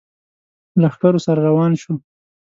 لښکرو سره روان شو.